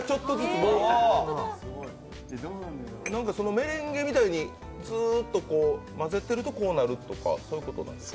メレンゲみたいにずーっと混ぜてるとこうなるとかってことですか。